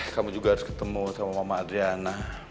kamu juga harus ketemu sama mama adriana